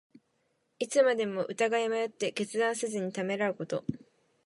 いつまでも疑い迷って、決断せずにためらうこと。